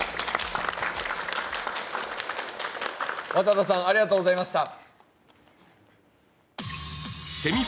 和多田さん、ありがとうございました。